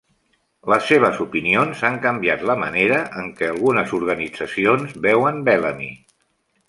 Les seves opinions han canviat la manera en què algunes organitzacions veuen Bellamy.